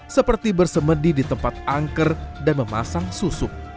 seperti bersemedi di tempat angker dan memasang susuk